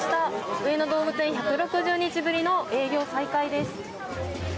上野動物園、１６０日ぶりの営業再開です。